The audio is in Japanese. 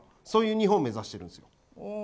そういう日本を目指してるんですよ。